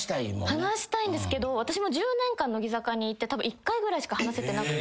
話したいんですけど私も１０年間乃木坂にいてたぶん１回ぐらいしか話せてなくて。